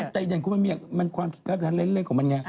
เด่นคุณแต่เด่นคุณมันมีความคิดกระทะเล้นกับมันเนี่ย